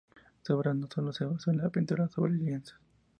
Su obra no sólo se basó en la pintura sobre lienzos.